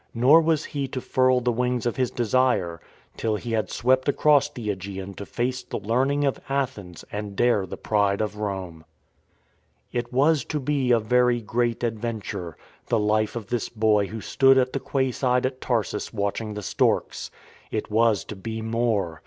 Nor was he to furl the wings of his desire till he had swept across the ^gean to face the learning of Athens and dare the pride of Rome. It was to be a very great Adventure — the life of this boy who stood at the quay side at Tarsus watch ing the storks. It was to be more.